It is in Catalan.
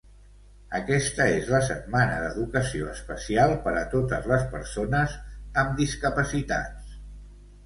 Aquesta és la setmana d'educació especial per a totes les persones amb discapacitats.